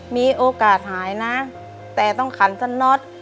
มีโอกาสหายนะแต่ต้องขันสน็อต